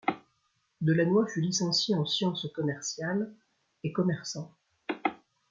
Delannoy fut licencié en sciences commerciales et commerçant.